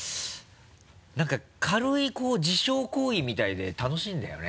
なんか軽い自傷行為みたいで楽しいんだよね。